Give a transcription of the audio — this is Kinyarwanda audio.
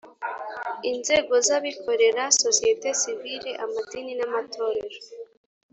Inzego z Abikorera Sosiyete Sivile Amadini n Amatorero